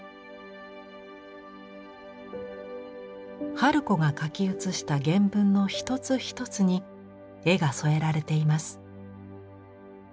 春子が書き写した原文の一つ一つに絵が添えられています。